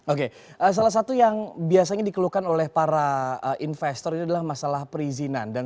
oke salah satu yang biasanya dikeluhkan oleh para investor ini adalah masalah perizinan